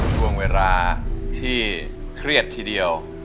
ช่วงเวลาที่เครียดทีเดียว